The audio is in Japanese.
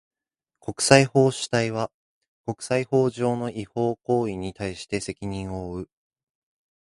国際法主体は、国際法上の違法行為に対して責任を負う。